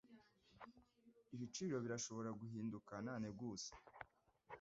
Ibiciro birashobora guhinduka nta nteguza.